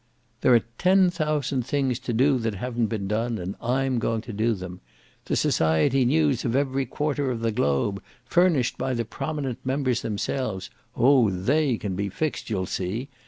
"There are ten thousand things to do that haven't been done, and I'm going to do them. The society news of every quarter of the globe, furnished by the prominent members themselves oh THEY can be fixed, you'll see!